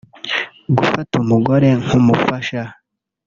Gufata umugore nk’umufasha